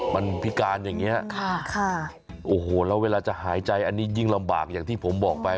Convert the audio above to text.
มันพิการอย่างนี้โอ้โหแล้วเวลาจะหายใจอันนี้ยิ่งลำบากอย่างที่ผมบอกไป